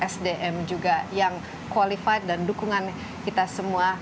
sdm juga yang qualified dan dukungan kita semua